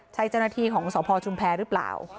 ใช่เจ้าหน้าที่ของสพชุมแพรหรือเปล่า